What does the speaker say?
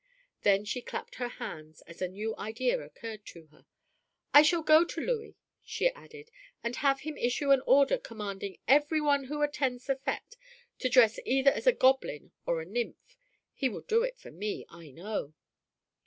Then she clapped her hands as a new idea occurred to her. "I shall go to Louis," she added, "and have him issue an order commanding every one who attends the fête to dress either as a goblin or a nymph. He will do it for me, I know."